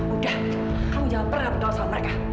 udah kamu jangan pernah berdauh sama mereka